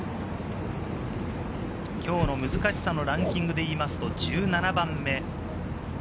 きょうの難しさのランキングでいいますと、１７番目。